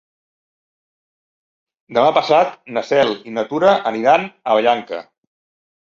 Demà passat na Cel i na Tura aniran a Vallanca.